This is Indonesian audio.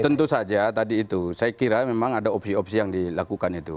tentu saja tadi itu saya kira memang ada opsi opsi yang dilakukan itu